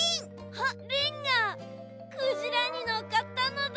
あっリンがクジラにのっかったのだ。